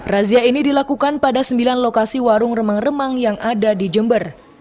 razia ini dilakukan pada sembilan lokasi warung remang remang yang ada di jember